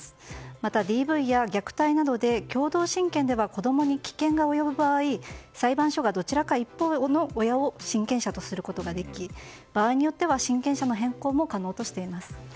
また、ＤＶや虐待などで共同親権では子供に危険が及ぶ場合裁判所がどちらか一方の親を親権者とすることができ場合によっては、親権者の変更も可能としています。